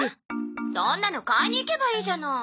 そんなの買いに行けばいいじゃない。